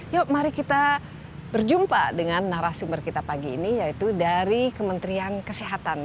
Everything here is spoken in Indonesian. yuk mari kita berjumpa dengan narasumber kita pagi ini yaitu dari kementerian kesehatan